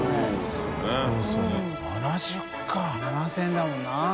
沓梓咫７０００円だもんな。